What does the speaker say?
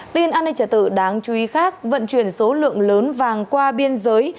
tin an toàn trả tự đáng chú ý khác vận chuyển số lượng lớn vàng qua biên giới